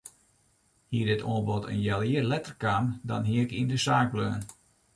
Hie dit oanbod in healjier letter kaam dan hie ik yn de saak bleaun.